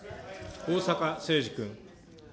逢坂誠二君。